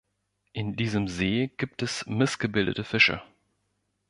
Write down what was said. In diesem See gibt es missgebildete Fische.